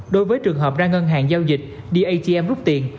đối với trường hợp ra ngân hàng giao dịch đi atm rút tiền